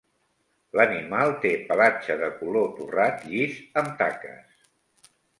L'animal té pelatge de color torrat llis amb taques.